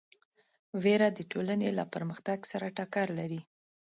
وېره د ټولنې له پرمختګ سره ټکر لري.